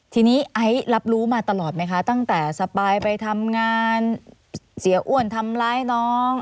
ทีนี้ไอซ์รับรู้มาตลอดไหมคะตั้งแต่สปายไปทำงานเสียอ้วนทำร้ายน้อง